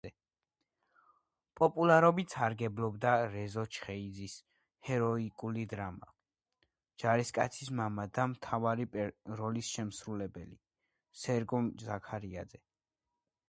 პოპულარობით სარგებლობდა რეზო ჩხეიძის ჰეროიკული დრამა „ჯარისკაცის მამა“ და მთავარი როლის შემსრულებელი სერგო ზაქარიაძე.